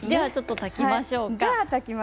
炊きましょうか。